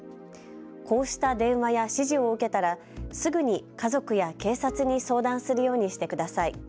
こうした電話や指示を受けたらすぐに家族や警察に相談するようにしてください。